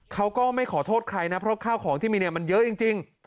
เขาก็ไม่ขอโทษใครนะเพราะข้าวของที่มีเนี่ยมันเยอะจริง